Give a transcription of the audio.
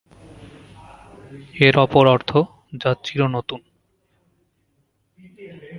এর অপর অর্থ, ‘যা চিরনূতন’।